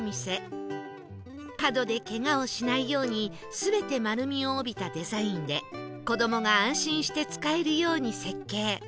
角で怪我をしないように全て丸みを帯びたデザインで子どもが安心して使えるように設計